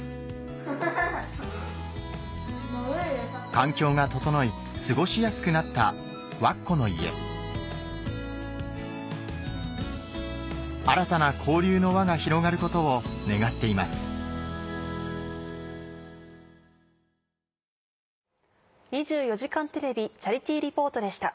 環境が整い過ごしやすくなったわっこの家新たな交流の輪が広がることを願っています「２４時間テレビチャリティー・リポート」でした。